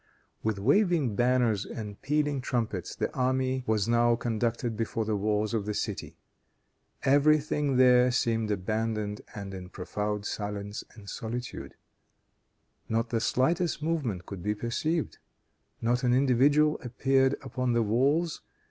With waving banners and pealing trumpets, the army was now conducted before the walls of the city. Every thing there seemed abandoned and in profound silence and solitude. Not the slightest movement could be perceived. Not an individual appeared upon the walls.